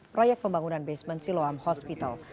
proyek pembangunan basement siloam hospital